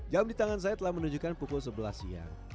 jam di tangan saya telah menunjukkan pukul sebelas siang